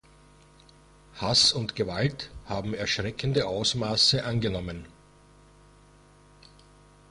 Hass und Gewalt haben erschreckende Ausmaße angenommen.